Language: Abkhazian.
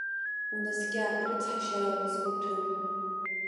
Унаскьа, рыцҳашьарала згәы ҭәым!